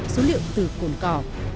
số liệu từ cồn cỏ